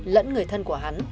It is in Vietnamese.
lẫn người thân của hắn